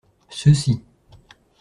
Ceux-ci.